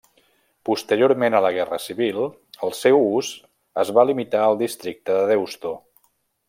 Posteriorment a la Guerra civil el seu ús es va limitar al districte de Deusto.